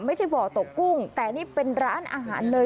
ไม่ใช่บ่อตกกุ้งแต่นี่เป็นร้านอาหารเลย